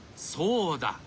そうだ！